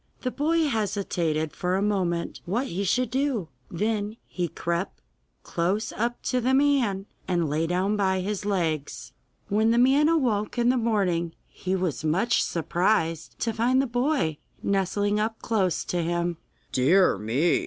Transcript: The boy hesitated for a moment what he should do; then he crept close up to the man, and lay down by his legs. When the man awoke in the morning he was much surprised to find the boy nestling up close to him. 'Dear me!